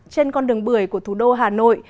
trên con đường bưởi của thủ đô hà nội